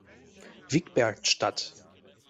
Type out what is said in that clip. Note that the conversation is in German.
Wigbert statt.